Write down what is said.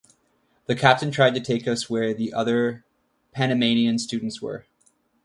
The captain tried to take us where the others Panamanian students were.